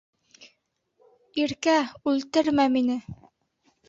Иркә, үлтермә мине!